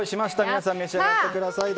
皆さん召し上がってください。